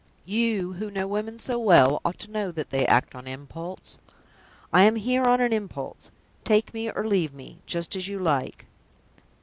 You, who know women so well, ought to know that they act on impulse. I am here on an impulse. Take me or leave me, just as you like."